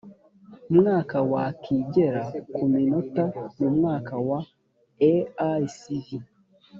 mwaka wa kigera ku minota mu mwaka wa eicv